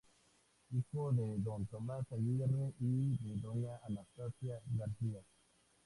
Hijo de don Tomás Aguirre y de doña Anastasia García.